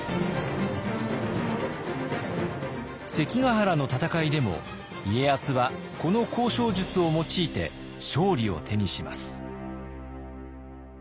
関ヶ原の戦いでも家康はこの交渉術を用いて勝利を手にします。